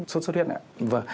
sốt huyết ạ